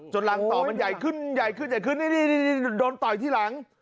จนรังต่อมันใหญ่ขึ้นนี่โดนต่อยที่หลัง